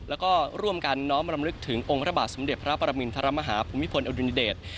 แล้วก็ร่วมกันน้อมรำลึกถึงองค์พระบาทสมเด็จพระปรมินทรมาฮาภูมิพลอดุญเดช